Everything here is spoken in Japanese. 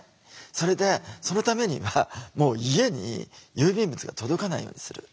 それでそのためには家に郵便物が届かないようにする。